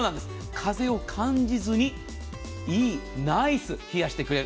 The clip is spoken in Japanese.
風を感じずにいい、ナイス、冷やしてくれる。